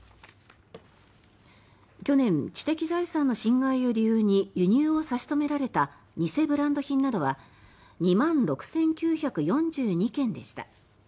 去年、知的財産の侵害を理由に輸入を差し止められた偽ブランド品などは２万６９４２件でした。